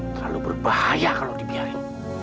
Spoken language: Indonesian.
terlalu berbahaya kalau dibiarkan